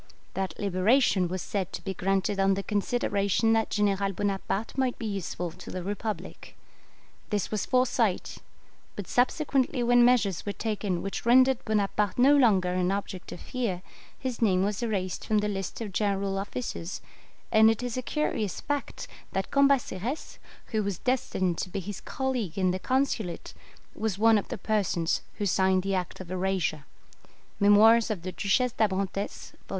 That liberation was said to be granted on the consideration that General Bonaparte might he useful to the Republic. This was foresight; but subsequently when measures were taken which rendered Bonaparte no longer an object of fear, his name was erased from the list of general officers, and it is a curious fact that Cambaceres, who was destined to be his colleague in the Consulate, was one of the persons who signed the act of erasure" (Memoirs of the Duchesse d'Abrantes, vol.